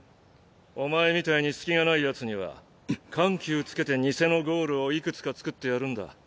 お前みたいに隙がないヤツには緩急つけて偽のゴールをいくつか作ってやるんだ。